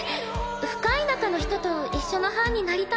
深い仲の人と一緒の班になりたいから。